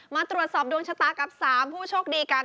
มาตรวจสอบดวงชะตากับ๓ผู้โชคดีกัน